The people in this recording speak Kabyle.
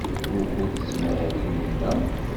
Wukud tettmahal Taninna?